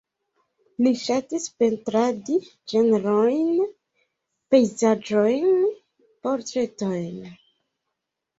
Li ŝatis pentradi ĝenrojn, pejzaĝojn, portretojn.